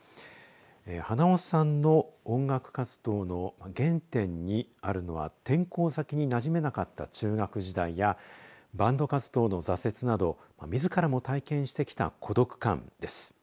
花男さんの音楽活動の原点にあるのは転校先になじめなかった中学時代やバンド活動の挫折などみずからも体験してきた孤独感です。